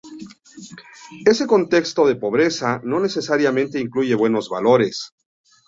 Ese contexto de pobreza no necesariamente incluye buenos valores.